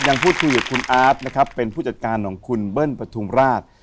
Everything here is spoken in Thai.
ยังพูดถึงกับคุณอาทำเป็นผู้จัดการของคุณเบิ้ลประธุมราช